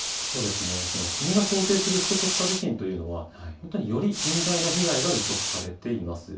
国が想定する首都直下地震というのは、より甚大な被害が予測されています。